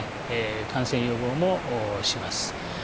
感染予防もします。